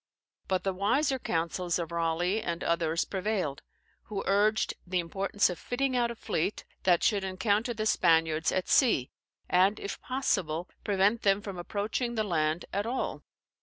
But the wiser counsels of Raleigh and others prevailed, who urged the importance of fitting out a fleet, that should encounter the Spaniards at sea, and, if possible, prevent them from approaching the land at all.